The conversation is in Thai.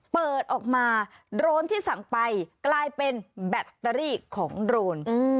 เปิดออกมาโดรนที่สั่งไปกลายเป็นแบตเตอรี่ของโรน